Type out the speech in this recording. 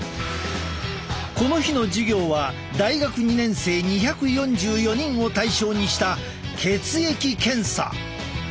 この日の授業は大学２年生２４４人を対象にした血液検査。